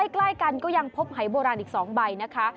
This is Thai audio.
ใกล้กันก็ยังพบหายโบราณอีก๒ใบนะคะ